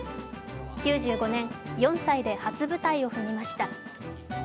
９５年、４歳で初舞台を踏みました。